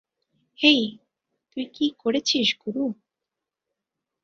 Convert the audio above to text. হেই, তুই কি করেছিস গুরু!